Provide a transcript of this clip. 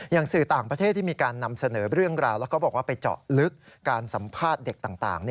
สื่อต่างประเทศที่มีการนำเสนอเรื่องราวแล้วก็บอกว่าไปเจาะลึกการสัมภาษณ์เด็กต่าง